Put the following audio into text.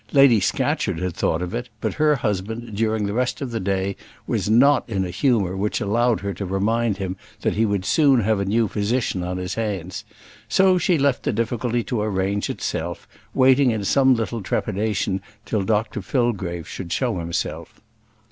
Lady Scatcherd had thought of it, but her husband during the rest of the day was not in a humour which allowed her to remind him that he would soon have a new physician on his hands; so she left the difficulty to arrange itself, waiting in some little trepidation till Dr Fillgrave should show himself.